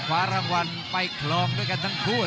คว้ารางวัลไปครองด้วยกันทั้งคู่